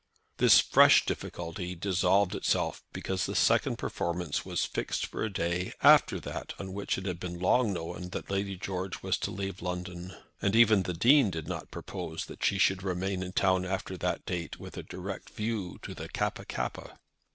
This fresh difficulty dissolved itself because the second performance was fixed for a day after that on which it had been long known that Lady George was to leave London; and even the Dean did not propose that she should remain in town after that date with a direct view to the Kappa kappa.